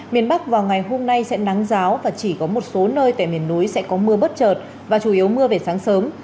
miền bắc vào ngày hôm nay sẽ nắng giáo và chỉ có một số nơi tại miền núi sẽ có mưa bất trợt và chủ yếu mưa về sáng sớm